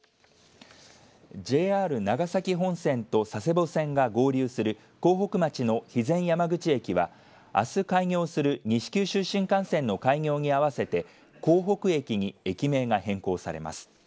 ＪＲ長崎本線と佐世保線が合流する江北町の肥前山口駅はあす開業する西九州新幹線の開業に合わせて江北駅に駅名が変更されます。